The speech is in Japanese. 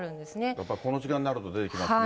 やっぱこの時間になると出てきますね。